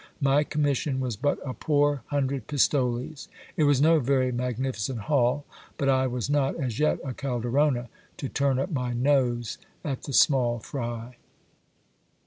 My commission was but a poor hundred pistoles. It was no very magnificent haul ; but I was not as yet a Calderona, to turn up my nose at the small fry.